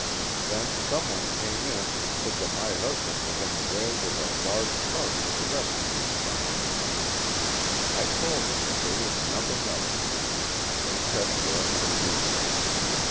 Then some one came in and said that my husband was on the way with a large party to rescue his sons. I told them that there was nothing of it. They said for us to leave.